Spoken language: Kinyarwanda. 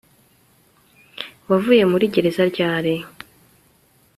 wavuye muri gereza ryari